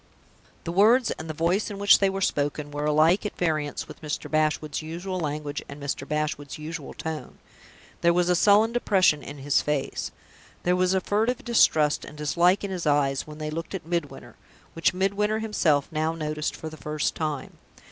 The words, and the voice in which they were spoken, were alike at variance with Mr. Bashwood's usual language and Mr. Bashwood's usual tone. There was a sullen depression in his face there was a furtive distrust and dislike in his eyes when they looked at Midwinter, which Midwinter himself now noticed for the first time.